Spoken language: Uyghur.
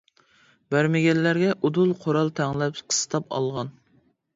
بەرمىگەنلەرگە ئۇدۇل قورال تەڭلەپ قىستاپ ئالغان.